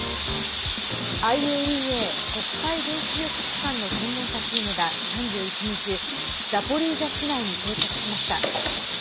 ＩＡＥＡ＝国際原子力機関の専門家チームが３１日、ザポリージャ市内に到着しました。